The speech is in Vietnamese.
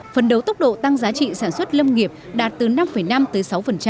phấn đấu tốc độ tăng giá trị sản xuất lâm nghiệp đạt từ năm năm tới sáu